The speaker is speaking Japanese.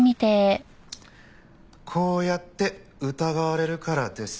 こうやって疑われるからですよ。